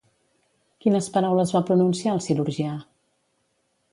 Quines paraules va pronunciar el cirurgià?